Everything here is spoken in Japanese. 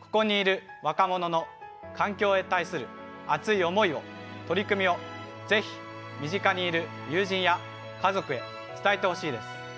ここにいる若者の環境へ対する熱い思いを取り組みをぜひ身近にいる友人や家族へ伝えてほしいです。